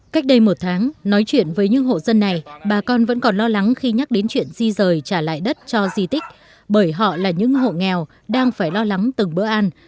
cách đây một tháng nói chuyện với những hộ dân này bà con vẫn còn lo lắng khi nhắc đến chuyện di rời trả lại đất cho di tích bởi họ là những hộ nghèo đang phải lo lắng từng bữa ăn